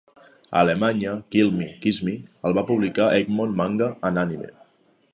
A Alemanya "Kill Me, Kiss Me" el va publicar Egmont Manga and Anime.